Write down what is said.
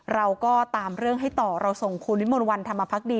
เราก็ตามเรื่องให้ต่อเราส่งคุณวิมลวันธรรมพักดี